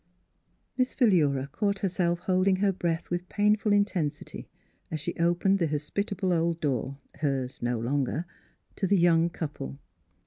Miss Philura caught herself holding her breath with painful intensity as she opened the hospitable old door — hers no longer — to the young couple.